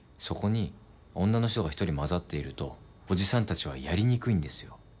そこに女の人が１人交ざっているとおじさんたちはやりにくいんですよ。